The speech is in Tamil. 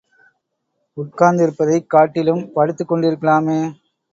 உட்கார்ந்திருப்பதைக் காட்டிலும் படுத்துக் கொண்டிருக்கலாமே!